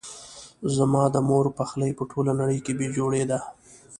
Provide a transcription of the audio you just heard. زما د مور پخلی په ټوله نړۍ کې بي جوړي ده